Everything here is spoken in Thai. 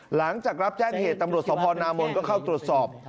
หลังจากรับแจ้งเหตุตำรวจสพนามนก็เข้าตรวจสอบ